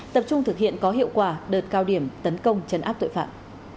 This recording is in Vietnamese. tập trung thực hiện có hiệu quả đợt cao điểm tấn công chấn áp tội phạm